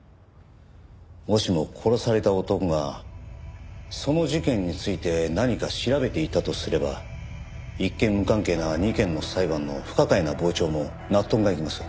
もしも殺された男がその事件について何か調べていたとすれば一見無関係な２件の裁判の不可解な傍聴も納得がいきます。